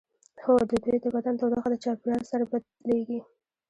هو د دوی د بدن تودوخه د چاپیریال سره بدلیږي